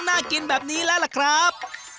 น่ากินแบบนี้แล้วล่ะครับ